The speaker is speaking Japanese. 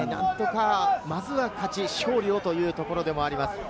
まずは勝利をというところでもあります。